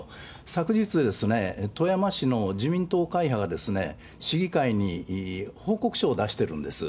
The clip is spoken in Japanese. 昨日、富山市の自民党会派がですね、市議会に報告書を出してるんです。